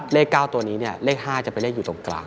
เลข๙ตัวนี้เลข๕จะไปเลขอยู่ตรงกลาง